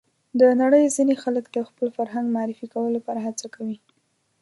د نړۍ ځینې خلک د خپل فرهنګ معرفي کولو لپاره هڅه کوي.